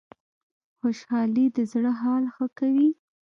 خوشحالي د زړه حال ښه کوي